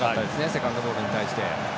セカンドボールに対して。